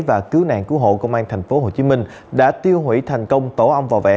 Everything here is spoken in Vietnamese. và cứu nạn cứu hộ công an tp hcm đã tiêu hủy thành công tổ ong bảo vệ